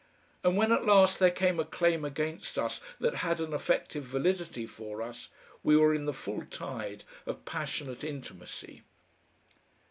And when at last there came a claim against us that had an effective validity for us, we were in the full tide of passionate intimacy.